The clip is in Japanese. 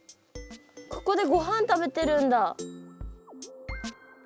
ここでごはん食べてるんだ。